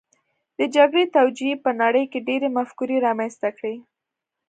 د جګړې توجیې په نړۍ کې ډېرې مفکورې رامنځته کړې